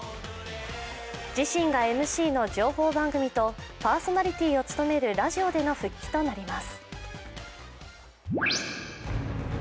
自身がＭＣの情報番組とパーソナリティーを務めるラジオでの復帰となります。